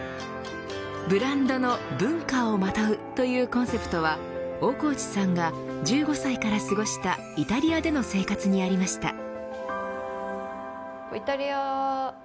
ブランドの文化をまとうというコンセプトは大河内さんが１５歳から過ごしたイタリアでの生活にありました。